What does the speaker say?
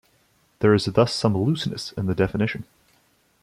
There is thus some looseness in the definition.